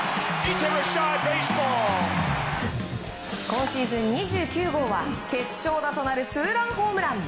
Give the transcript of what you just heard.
今シーズン２９号は決勝打となるツーランホームラン。